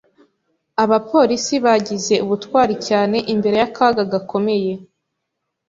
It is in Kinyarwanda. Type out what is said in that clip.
Abapolisi bagize ubutwari cyane imbere y’akaga gakomeye.